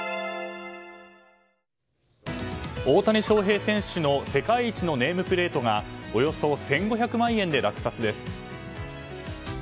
大谷翔平選手の世界一のネームプレートがおよそ１５００万円で落札です。